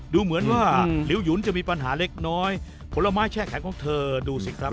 ดูเหมือนว่าหลิวหยุนจะมีปัญหาเล็กน้อยผลไม้แช่แข็งของเธอดูสิครับ